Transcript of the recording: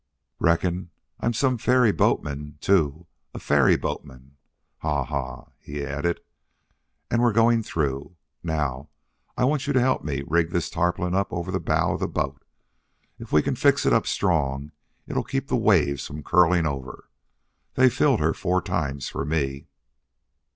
"Reckon I'm some ferry boatman, too a FAIRY boatman. Haw! Haw!" he added. "And we're going through.... Now I want you to help me rig this tarpaulin up over the bow of the boat. If we can fix it up strong it'll keep the waves from curling over. They filled her four times for me."